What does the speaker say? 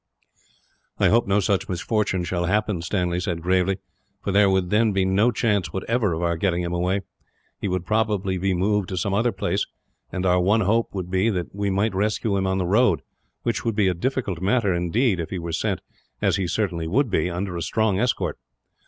"I hope no such misfortune will happen," Stanley said, gravely, "for there would then be no chance, whatever, of our getting him away. He would probably be moved to some other place, and our one hope would be that we might rescue him on the road; which would be a difficult matter, indeed, if he were sent, as he certainly would be, under a strong escort.